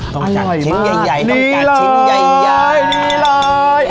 อร่อยมากนี่เลยนี่เลย